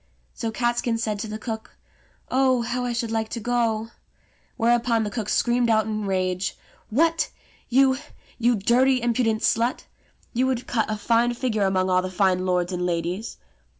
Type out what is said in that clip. So Catskin said to the cook, "Oh, how I should like to go!" Whereupon the cook screamed out in a rage, "What, you, you dirty, impudent slut ! You would cut a fine figure among all the fine lords and ladies."